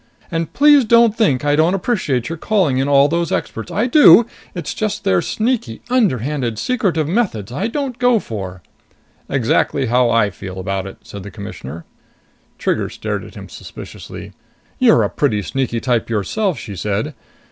"And please don't think I don't appreciate your calling in all those experts. I do. It's just their sneaky, underhanded, secretive methods I don't go for!" "Exactly how I feel about it," said the Commissioner. Trigger stared at him suspiciously. "You're a pretty sneaky type yourself!" she said.